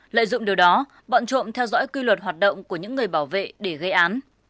lợi dụng điều đó bọn trộm theo dõi quy luật hoạt động của những người bảo vệ để gây án